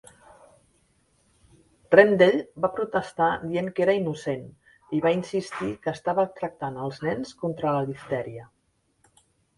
Rendell va protestar dient que era innocent i va insistir que estava tractant els nens contra la diftèria.